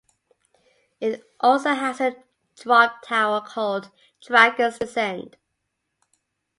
It also has a Drop Tower called "Dragon's Descent".